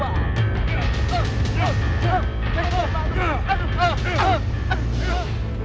ambil sini aja pak